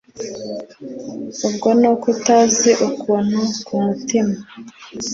ubwo nuko utazi ukuntu kumutima